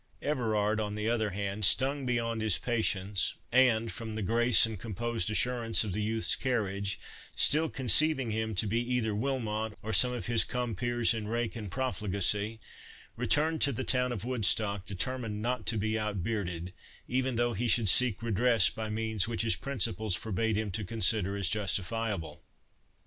Everard, on the other hand, stung beyond his patience, and, from the grace and composed assurance of the youth's carriage, still conceiving him to be either Wilmot, or some of his compeers in rank and profligacy, returned to the town of Woodstock, determined not to be outbearded, even though he should seek redress by means which his principles forbade him to consider as justifiable.